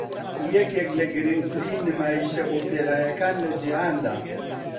یەکێک لە گرنگترین نمایشە ئۆپێراییەکان لە جیهاندا